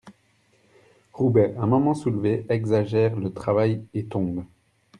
Roubaix, un moment soulevé, exagère le travail et tombe.